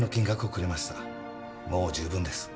もう十分です。